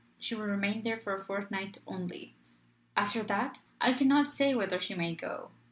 She will remain there for one fortnight only. After that, I cannot say whither she may go.